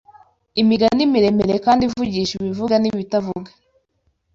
Imigani miremire kandi ivugisha ibivuga n’ibitavuga